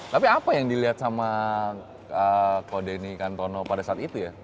tapi apa yang dilihat sama ko denny kantono pada saat itu ya